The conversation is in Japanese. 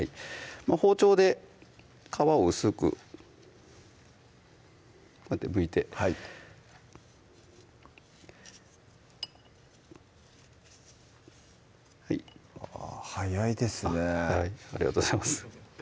うん包丁で皮を薄くこうやってむいてはい早いですねはいありがとうございます